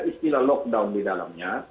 istilah lockdown di dalamnya